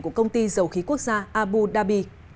của công ty dầu khí quốc gia abu dhabi